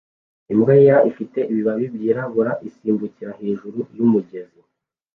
Imbwa yera ifite ibibara byirabura isimbukira hejuru yumugezi